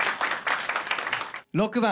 ６番。